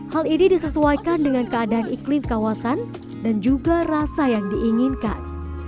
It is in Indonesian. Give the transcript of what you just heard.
hal ini disesuaikan dengan keadaan iklim kawasan dan juga rasa yang diinginkan